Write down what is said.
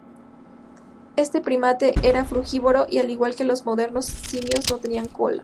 Este primate era frugívoro, y al igual que los modernos simios no tenía cola.